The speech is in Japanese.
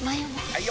・はい！